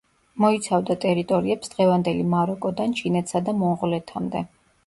მოიცავდა ტერიტორიებს დღევანდელი მაროკოდან ჩინეთსა და მონღოლეთამდე.